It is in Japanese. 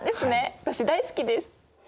私大好きです！